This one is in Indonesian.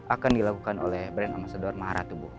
akan dilakukan oleh brand amasador maharatu bu